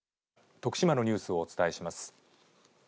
徳島のニュースをお伝えします。